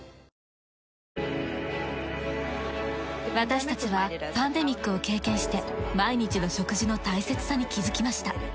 私たちはパンデミックを経験して毎日の食事の大切さに気づきました。